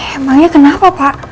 emangnya kenapa pak